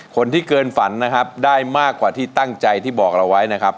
คนที่เกินฝันนะครับได้มากกว่าที่ตั้งใจที่บอกเราไว้นะครับ